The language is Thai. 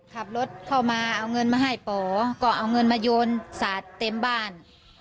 ขับรถเข้ามาเอาเงินมาให้ป๋อก็เอาเงินมาโยนสาดเต็มบ้าน